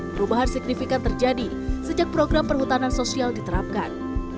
perubahan signifikan terjadi sejak program perhutanan sosial diterapkan